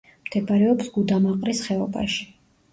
მდებარეობს გუდამაყრის ხეობაში.